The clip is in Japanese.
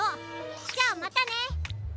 じゃまたね。